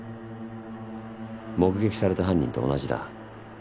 目撃された犯人と同じだ。